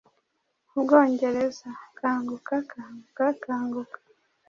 Ubwongereza! Kanguka! Kanguka! Kanguka!